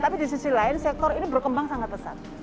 tapi di sisi lain sektor ini berkembang sangat pesat